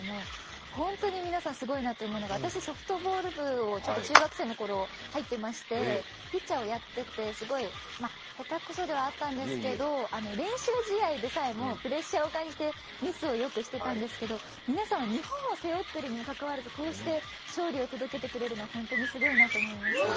本当に皆さん、すごいなと思うのが私、ソフトボール部に中学生のころ入っていまして、ピッチャーをやっててすごい、へたくそではあったんですけど、練習試合でさえもプレッシャーを感じてミスをよくしてたんですけど皆さんは日本を背負っているにもかかわらず、こうして勝利を届けてくれるのは本当にすごいなと思いました。